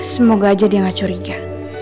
semoga aja dia gak curiga